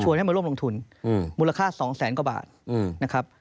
ให้มาร่วมลงทุนมูลค่า๒แสนกว่าบาทนะครับ